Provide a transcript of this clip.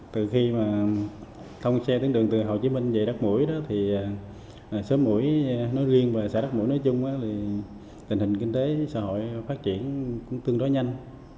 từ khi mà thông xe tuyến đường từ hồ chí minh về đất mũi đó thì xóm mũi nói riêng và xã đất mũi nói chung thì tình hình kinh tế xã hội phát triển cũng tương đối nhanh